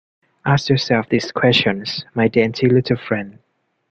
Ask yourself these questions, my dainty little friend!